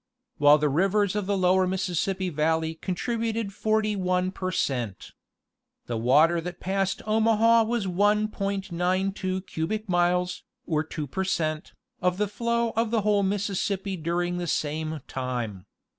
while the rivers of the lower Mississippi valley contributed 41 per cent. The water that passed Omaha was 1.92 cubic miles, or 2 per cent. of the flow of the whole Mississippi during the same time.